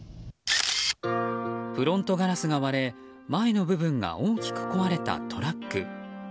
フロントガラスが割れ前の部分が大きく壊れたトラック。